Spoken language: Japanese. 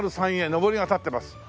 のぼりが立ってます。